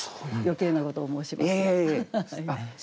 余計なことを申しますが。